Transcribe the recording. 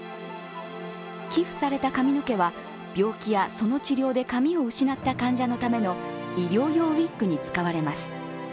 寄付された髪の毛は病気や、その治療で髪を失った患者のための医療用ウイッグに使われます。